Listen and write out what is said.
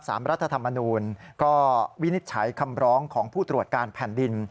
รัฐธรรมนูลก็วินิจฉัยคำร้องของผู้ตรวจการแผ่นดิน